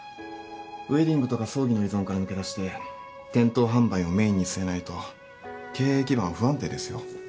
ウエディングとか葬儀の依存から抜け出して店頭販売をメインに据えないと経営基盤は不安定ですよ。